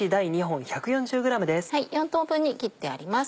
４等分に切ってあります。